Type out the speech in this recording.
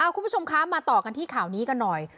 คุณผู้ชมคะมาต่อกันที่ข่าวนี้กันหน่อย